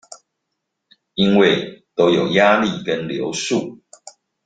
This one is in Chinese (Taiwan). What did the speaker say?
因為都有壓力跟流速